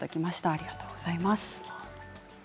ありがとうございます。